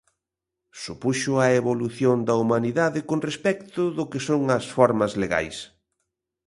Supuxo a evolución da humanidade con respecto do que son as formas legais.